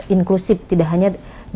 inklusif tidak hanya